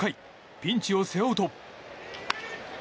ピンチを背負うと。